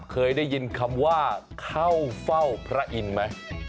เคยได้ยินคำว่าเข้าเฝ้าพระอินทร์ไหม